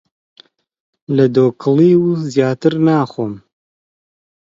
لە دۆکڵیو زیاتر ناخۆم!